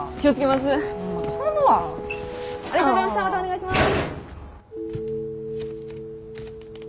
またお願いします。